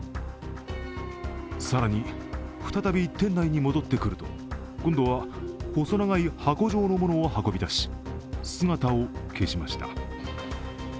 更に、再び店内に戻ってくると、今度は細長い箱状のものを運び出し、姿を消しました。